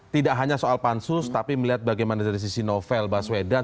tidak hanya soal pansus tapi melihat bagaimana dari sisi novel baswedan